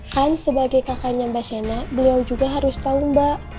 han sebagai kakaknya mbak shana beliau juga harus tahu mbak